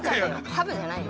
ハブじゃないよ。